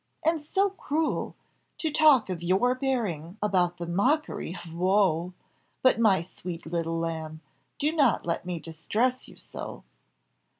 "And so cruel, to talk of your bearing about the mockery of woe! But, my sweet little lamb, do not let me distress you so."